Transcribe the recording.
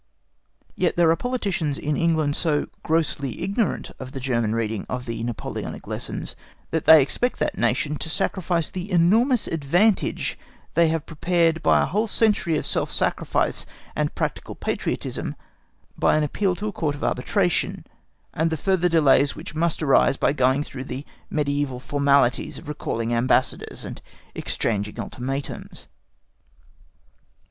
Yet there are politicians in England so grossly ignorant of the German reading of the Napoleonic lessons that they expect that Nation to sacrifice the enormous advantage they have prepared by a whole century of self sacrifice and practical patriotism by an appeal to a Court of Arbitration, and the further delays which must arise by going through the medieval formalities of recalling Ambassadors and exchanging ultimatums.